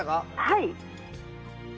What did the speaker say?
はい。